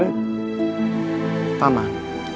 jangan minta maaf